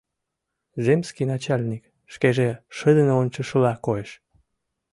Земский начальник шкеже шыдын ончышыла коеш.